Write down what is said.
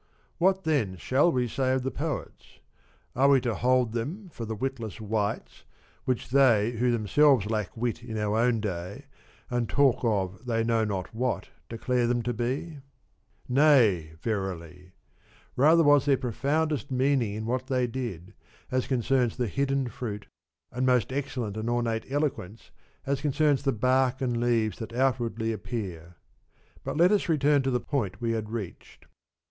What then shall we say of the Poets ? Are we to hold them for the witless wights, which they who themselves lack wit in our own day and talk of they know not what declare them to be ? Nay verily ! Rather was there pro foundest meaning in what they did, as concerns the hidden fruit, and most excellent and ornate eloquence as concerns the bark and leaves that outwardly appear. But let us return to the point we had reached.